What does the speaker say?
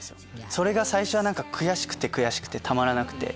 それが最初は悔しくて悔しくてたまらなくて。